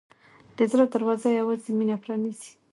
د زړه دروازه یوازې مینه پرانیزي.